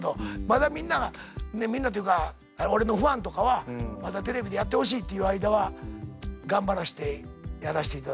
まだみんながみんなというか俺のファンとかはまだテレビでやってほしいっていう間は頑張らしてやらしていただいて。